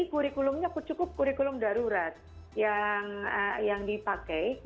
kurikulumnya cukup kurikulum darurat yang dipakai